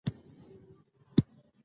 هندوکش د زرغونتیا یوه مهمه نښه ده.